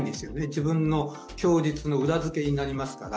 自分の供述の裏付けになりますから。